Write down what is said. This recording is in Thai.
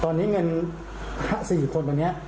ตอนนี้เงิน๕๔คนแบบเนี้ย